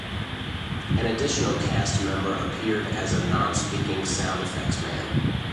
An additional cast member appeared as a non-speaking sound effects man.